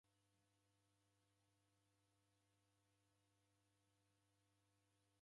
Mawakili gharedie w'ushahidi ghukate.